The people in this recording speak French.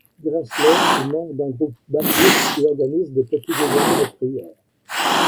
Grassley est membre d'un groupe baptiste qui organise des petits déjeuners de prière.